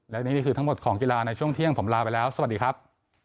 และนี่คือทั้งหมดของกีฬาในช่วงเที่ยงผมลาไปแล้วสวัสดีครับ